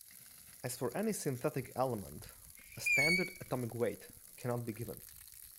As for any synthetic element, a standard atomic weight cannot be given.